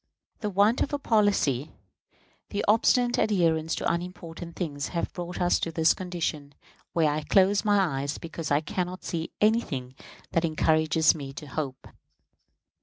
The want of a policy, the obstinate adherence to unimportant things, have brought us to a condition where I close my eyes, because I can not see anything that encourages me to hope.